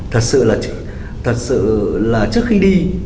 thật sự là trước khi đi